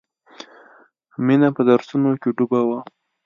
مینه په درسونو کې ډوبه وه